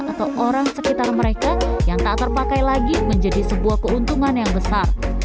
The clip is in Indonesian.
atau orang sekitar mereka yang tak terpakai lagi menjadi sebuah keuntungan yang besar